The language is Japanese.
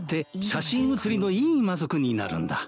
写真写りのいい魔族になるんだ